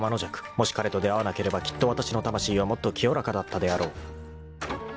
［もし彼と出会わなければきっとわたしの魂はもっと清らかだったであろう］